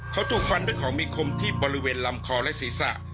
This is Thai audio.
เขาถูกฟันด้วยของมีคมที่บริเวณลำคอและศีรษะ